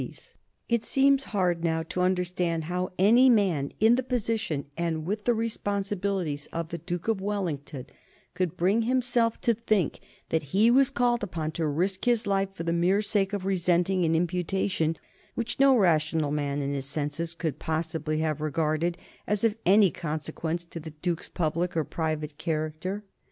[Sidenote: 1829 Comments upon Wellington's duel] It seems hard now to understand how any man, in the position and with the responsibilities of the Duke of Wellington, could bring himself to think that he was called upon to risk his life for the mere sake of resenting an imputation which no rational man in his senses could possibly have regarded as of any consequence to the Duke's public or private character.